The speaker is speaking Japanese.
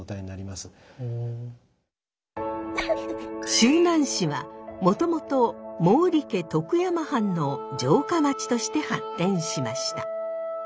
周南市はもともと毛利家徳山藩の城下町として発展しました。